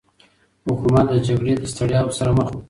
حکومت د جګړې له ستړيا سره مخ و.